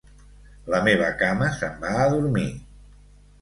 La meva cama se'n va a dormir.